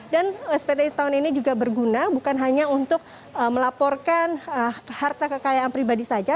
dan spt tahun ini juga berguna bukan hanya untuk melaporkan harta kekayaan pribadi saja